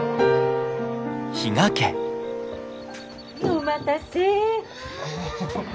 お待たせ。